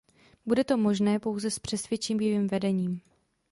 Bude to možné pouze s přesvědčivým vedením.